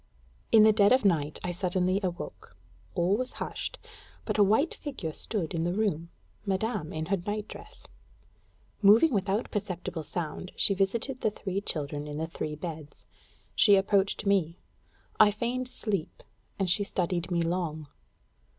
In the dead of night I suddenly awoke. All was hushed, but a white figure stood in the room Madame in her night dress. Moving without perceptible sound, she visited the three children in the three beds; she approached me; I feigned sleep, and she studied me long.